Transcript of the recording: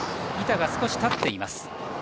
板が少し立っています。